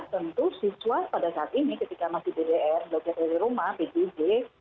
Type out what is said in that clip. tentu siswa pada saat ini ketika masih dpr belajar dari rumah pdb